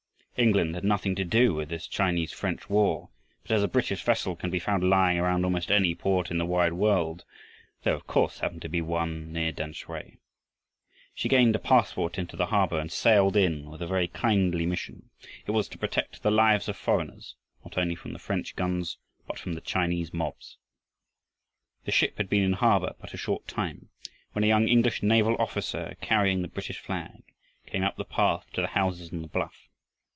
England had nothing to do with this Chinese French war, but as a British vessel can be found lying around almost any port in the wide world, there of course happened to be one near Tamsui. She gained a passport into the harbor and sailed in with a very kindly mission; it was to protect the lives of foreigners, not only from the French guns, but from the Chinese mobs. The ship had been in the harbor but a short time when a young English naval officer, carrying the British flag, came up the path to the houses on the bluff.